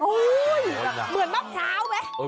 เหมือนมะพร้าวไหม